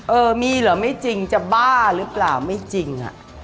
เออมีเหรอไม่จริงจะบ้าหรือเปล่าไม่จริง